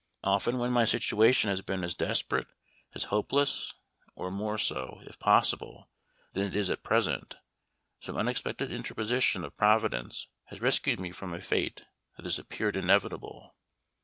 Often when my situation has been as desperate, as hopeless, or more so, if possible, than it is at present, some unexpected interposition of Providence has rescued me from a fate that has appeared inevitable.